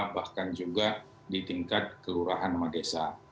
bahkan juga di tingkat kelurahan sama desa